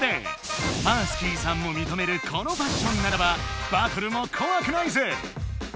ＭＡＲＳＫＩさんもみとめるこのファッションならばバトルもこわくないぜ！